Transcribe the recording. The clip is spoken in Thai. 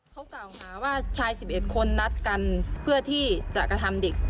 เขากล่าวหาว่าชาย๑๑คนนัดกันเพื่อที่จะกระทำเด็ก